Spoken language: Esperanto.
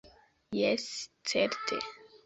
Jes, certe.